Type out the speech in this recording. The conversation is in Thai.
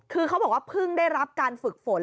คือเขาบอกว่าเพิ่งได้รับการฝึกฝน